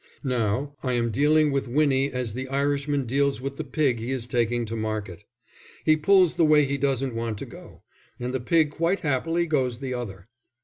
"Now, I am dealing with Winnie as the Irishman deals with the pig he is taking to market. He pulls the way he doesn't want to go, and the pig quite happily goes the other."